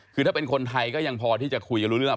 คือถ้าเป็นคนไทยก็ยังพอที่จะคุยกันรู้เรื่อง